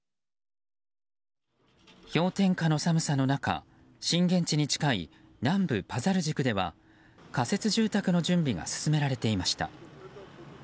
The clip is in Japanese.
氷点下の寒さの中、震源地に近い南部パザルジクでは仮設住宅の準備が進められていました。